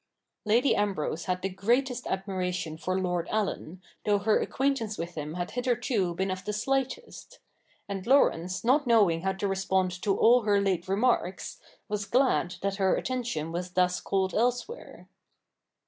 ' Lady Ambrose had the greatest admiration for Lord Allen, though her acquaintance with him had hitherto been of the slightest ; and Laurence, not knowing how to respond to all her late remarks, was glad that her attention was thus called elsewhere.